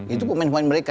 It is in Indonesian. itu pemain pemain mereka